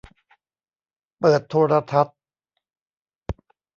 เปิดโทรทัศน์